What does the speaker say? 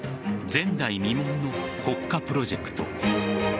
前代未聞の国家プロジェクト。